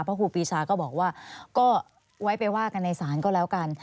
เพราะครูปีชาก็บอกว่าก็ไว้ไปว่ากันในศาลก็แล้วกัน